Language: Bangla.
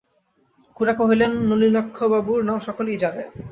খুড়া কহিলেন, নলিনাক্ষবাবুর নাম সকলেই জানে।